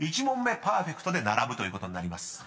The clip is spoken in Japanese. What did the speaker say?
［１問目パーフェクトで並ぶということになります］